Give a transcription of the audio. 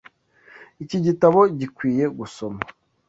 Iki gitabo gikwiye gusoma.